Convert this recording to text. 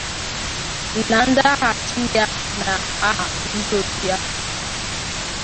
Na nzaghachi ya n'aha ndị òtù ya